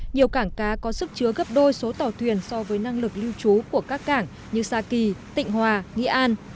nhiều cảng cá có sức chứa gấp đôi số tàu thuyền so với năng lực lưu trú của các cảng như sa kỳ tịnh hòa nghi an